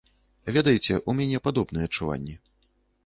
Ведаеце, у мяне падобныя адчуванні.